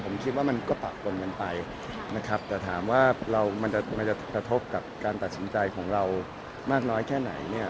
ผมคิดว่ามันก็ปะปนกันไปนะครับแต่ถามว่าเรามันจะกระทบกับการตัดสินใจของเรามากน้อยแค่ไหนเนี่ย